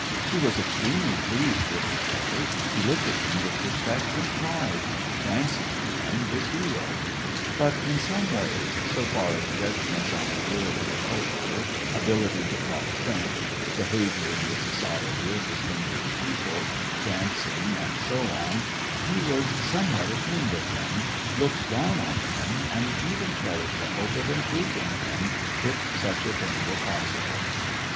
He was extremely pleased with his brother, he looked at him with respect and pride, fancying him his hero ; but in some ways, so far as judgments on worldly culture, ability to talk French, behavior in the society of distinguished people, dancing, and so on, he was somewhat ashamed of him, looked down on him, and even cherished a hope of improving him if such a thing were possible.